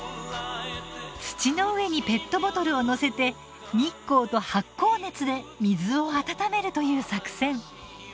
土の上にペットボトルを載せて日光と発酵熱で水を温めるという作戦。